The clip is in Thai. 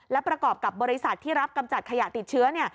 และประกอบกับบริษัทที่รับกำจัดขยะติดเชื้อ